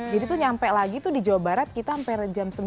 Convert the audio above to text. jadi tuh nyampe lagi tuh di jawa barat kita sampai jam sembilan